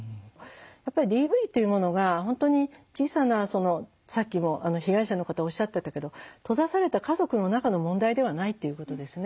やっぱりＤＶというものが本当に小さなさっきも被害者の方おっしゃってたけど閉ざされた家族の中の問題ではないっていうことですね。